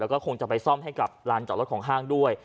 แล้วก็คงจะไปซ่อมให้กับลานจอดรถของห้างด้วย